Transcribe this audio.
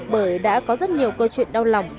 bởi đã có rất nhiều câu chuyện đau lòng